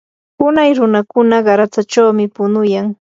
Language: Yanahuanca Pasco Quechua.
unay runakuna qaratsachawmi punuyan.